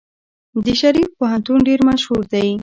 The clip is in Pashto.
د شریف پوهنتون ډیر مشهور دی.